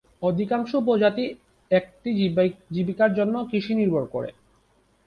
অধিকাংশ উপজাতি একটি জীবিকার জন্য কৃষি নির্ভর করে।